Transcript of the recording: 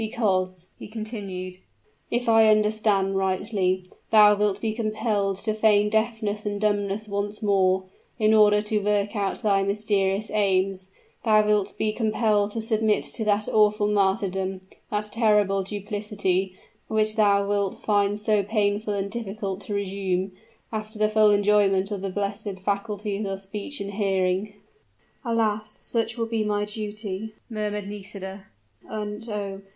Because," he continued, "if I understand rightly, thou wilt be compelled to feign deafness and dumbness once more, in order to work out thy mysterious aims; thou wilt be compelled to submit to that awful martyrdom that terrible duplicity which thou wilt find so painful and difficult to resume, after the full enjoyment of the blessed faculties of speech and hearing." "Alas! such will be my duty!" murmured Nisida; "and oh!